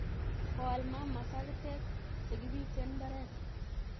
Koal mama sagitek chegibite mbaret